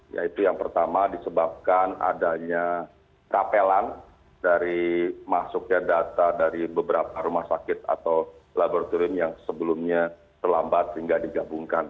yaitu yang pertama disebabkan adanya kapelan dari masuknya data dari beberapa rumah sakit atau laboratorium yang sebelumnya terlambat hingga digabungkan